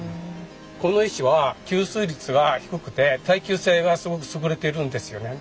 この石は吸水率が低くて耐久性がすごく優れてるんですよね。